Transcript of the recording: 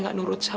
aku mau pergi